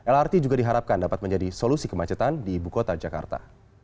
lrt juga diharapkan dapat menjadi solusi kemacetan di ibu kota jakarta